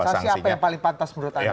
sanksi apa yang paling pantas menurut anda